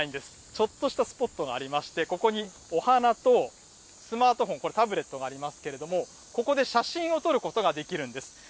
ちょっとしたスポットがありまして、ここにお花とスマートフォン、これ、タブレットがありますけれども、ここで写真を撮ることができるんです。